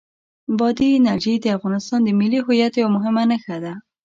بادي انرژي د افغانستان د ملي هویت یوه مهمه نښه ده.